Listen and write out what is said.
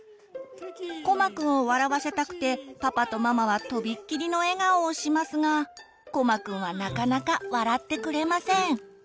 こまくんを笑わせたくてパパとママはとびっきりの笑顔をしますがこまくんはなかなか笑ってくれません。